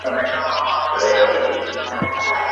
پرې کرم د اِلهي دی,